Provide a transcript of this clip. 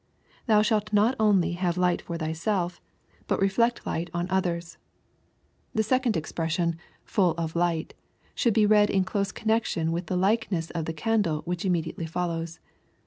Thou shalt not only have light for thyself, but reflect light 12 EXPOSITORY THOUGHTS. on others," The second expression, "full of light/' should be real in close connection with the Ukeness of the candle which immediately follows.